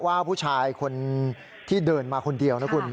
ว่าผู้ชายคนที่เดินมาคนเดียวนะคุณ